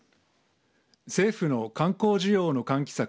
政府の観光需要の喚起策